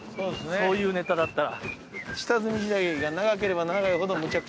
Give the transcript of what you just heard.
そういうネタだったら。